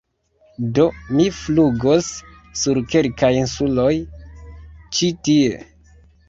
Do mi flugos sur kelkaj insuloj ĉi tie.